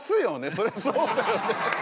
そりゃそうだよね。